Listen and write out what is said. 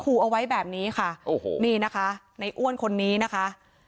ขู่เอาไว้แบบนี้ค่ะโอ้โหนี่นะคะในอ้วนคนนี้นะคะ